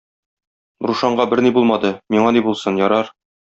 Рушанга берни булмады, миңа ни булсын, ярар.